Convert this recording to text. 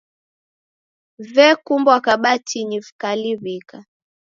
Vekumbwa kabatinyi vikaliw'ika.